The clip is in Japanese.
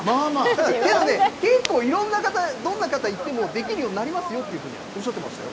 でもね、結構、いろんな方、どんな方行ってもできるようになりますよっていうふうにおっしゃっていましたよ。